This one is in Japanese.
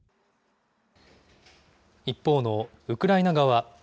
一方のウクライナ側。